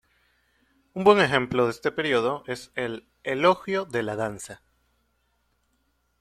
Un buen ejemplo de este periodo es el "Elogio de la danza".